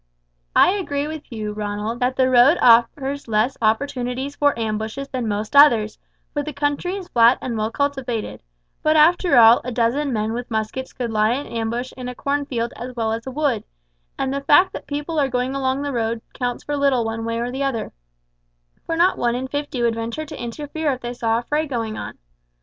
"I agree with you, Ronald, that the road offers less opportunities for ambushes than most others, for the country is flat and well cultivated; but after all a dozen men with muskets could lie in ambush in a cornfield as well as a wood, and the fact that people are going along the road counts for little one way or the other, for not one in fifty would venture to interfere if they saw a fray going on.